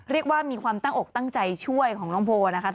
เรียกว่ามีความตั้งอกตั้งใจช่วยของน้องโพลนะคะ